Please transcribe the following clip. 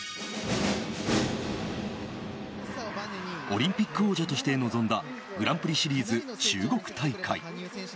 オリンピック王者として臨んだグランプリシリーズ中国大会。